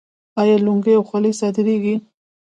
آیا لونګۍ او خولۍ صادریږي؟